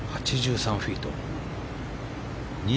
８３フィート。